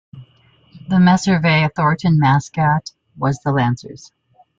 The Meservey-Thornton mascot was the "Lancers".